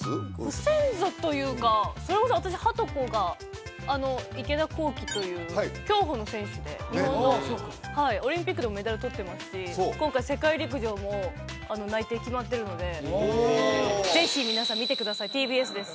ご先祖というかそれこそ私はとこが池田向希という競歩の選手で日本のはいオリンピックでもメダルとってますし今回世界陸上も内定決まってるのでＴＢＳです